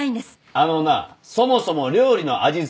あのなそもそも料理の味付けは。